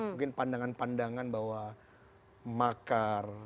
mungkin pandangan pandangan bahwa makar